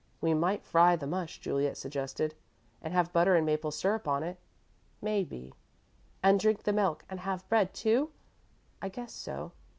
"We might fry the mush," Juliet suggested. "And have butter and maple syrup on it?" "Maybe." "And drink the milk, and have bread, too?" "I guess so."